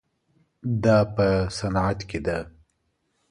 دا په صنعت کې ده.